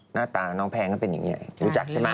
หน้าตาน้องแพงก็เป็นอย่างนี้รู้จักใช่ไหม